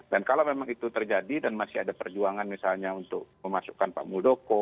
kalau memang itu terjadi dan masih ada perjuangan misalnya untuk memasukkan pak muldoko